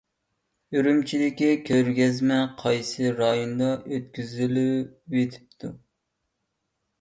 ئۈرۈمچىدىكى كۆرگەزمە قايسى رايوندا ئۆتكۈزۈلۈۋېتىپتۇ؟